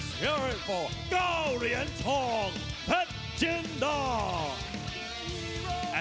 สวัสดีทุกท่านทุกท่านทุกท่าน